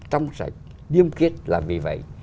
trong sạch liêm kiết là vì vậy